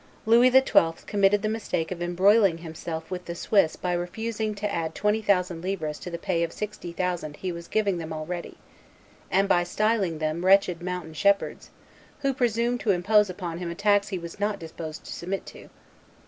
Louis XII. committed the mistake of embroiling himself with the Swiss by refusing to add twenty thousand livres to the pay of sixty thousand he was giving them already, and by styling them "wretched mountain shepherds, who presumed to impose upon him a tax he was not disposed to submit to."